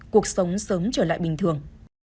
cuộc sống sớm trở lại bình thường